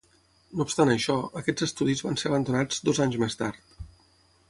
No obstant això, aquests estudis van ser abandonats dos anys més tard.